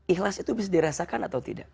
ikhlas itu bisa dirasakan atau tidak